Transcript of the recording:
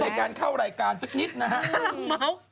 ในการเข้ารายการสักนิดนะฮะครั้งเมาส์